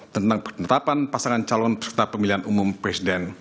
tentang penetapan pasangan calon peserta pemilihan umum presiden